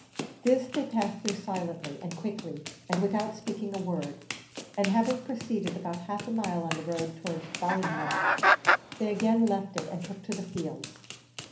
This they passed through silently and quickly and without speaking a word, and having proceeded about half a mile on the road towards Ballinamore, they again left it and took to the fields.